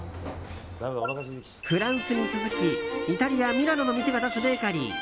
フランスに続きイタリア・ミラノの店が出すベーカリー。